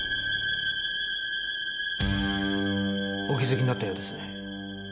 お気づきになったようですね。